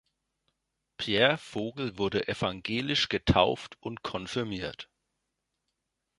Pierre Vogel wurde evangelisch getauft und konfirmiert.